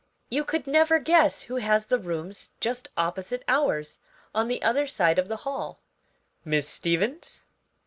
You could never guess who has the rooms just opposite ours; on the other side of the hall." "Miss Stevens?"